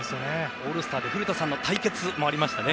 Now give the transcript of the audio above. オールスターで古田さんの対決もありましたね。